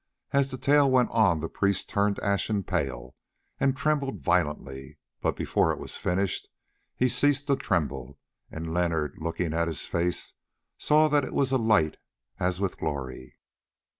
As the tale went on the priest turned ashen pale and trembled violently, but before it was finished he ceased to tremble, and Leonard, looking at his face, saw that it was alight as with a glory.